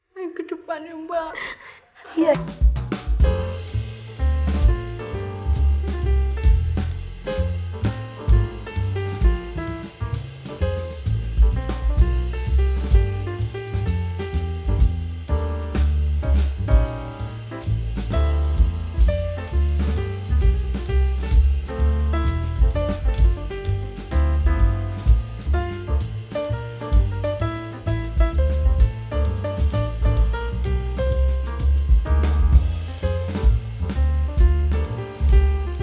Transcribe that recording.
main ke depan mbak